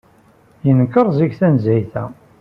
Yenker zik tanezzayt-a.